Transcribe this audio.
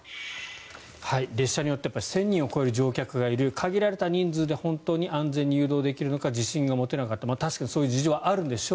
列車によっては１０００人を超える乗客がいる限られた人数で本当に安全に誘導できるのか自信が持てなかった確かにそういう事情はあるんでしょう。